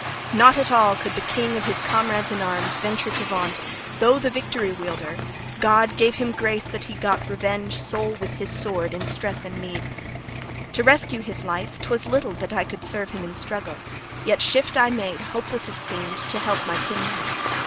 Not at all could the king of his comrades in arms venture to vaunt, though the Victory Wielder, God, gave him grace that he got revenge sole with his sword in stress and need. To rescue his life, 'twas little that I could serve him in struggle; yet shift I made (hopeless it seemed) to help my kinsman.